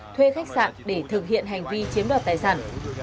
thuê khách sạn để thực hiện hành vi chiếm đoạt tài sản